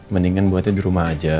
mendingan buatnya di rumah aja